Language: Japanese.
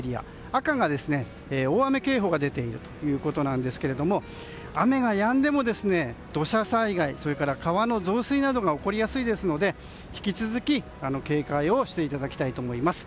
赤が大雨警報が出ているということなんですが雨がやんでも土砂災害、川の増水などが起こりやすいですので引き続き警戒をしていただきたいです。